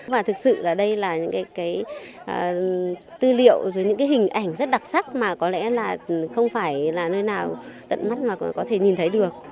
và thực sự đây là những tư liệu những hình ảnh rất đặc sắc mà có lẽ không phải nơi nào tận mắt mà có thể nhìn thấy được